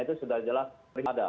itu sudah jelas ada